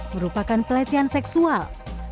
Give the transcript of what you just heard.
merupakan pelecehan seksual